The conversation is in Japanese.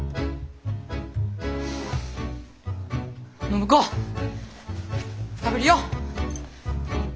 暢子食べるよ！